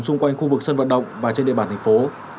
xung quanh khu vực sân vận động và trên địa bàn thành phố